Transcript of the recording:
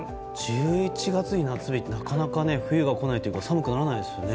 １１月に夏日ってなかなかが冬が来ないというか寒くならないですね。